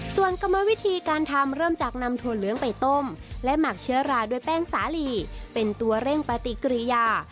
ส่วนกรรมวิธีการทำเริ่มจากนำถั่วเหลืองไปต้มและหมักเชื้อราด้วยแป้งสาลีเป็นตัวเร่งปฏิกิริยา